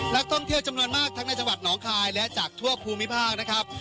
นักท่องเที่ยวจำนวนมากทั้งในจังหวัดหนองคายและจากทั่วภูมิภาคนะครับ